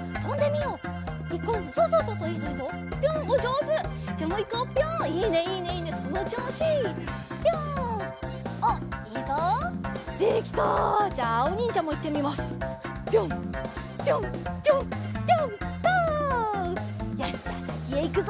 よしじゃあさきへいくぞ！